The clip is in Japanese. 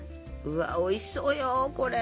うわおいしそうよこれ！